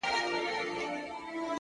څه ته مي زړه نه غواړي _